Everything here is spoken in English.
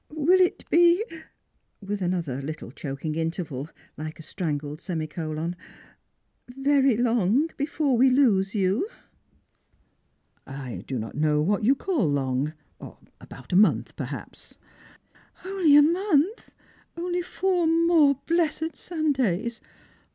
' "Will it be" — with another little choking interval, like a strangled semicolon — "very long before we lose you? "" I do I'.ot know what you would call long. About a month, perhaps." " Only a month — only four more blessed Sundays